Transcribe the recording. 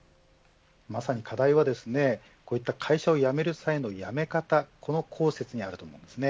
まさに課題はこういった会社を辞める際の辞め方ここにあります。